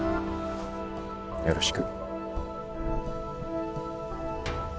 よろしく。